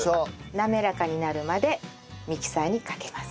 滑らかになるまでミキサーにかけます。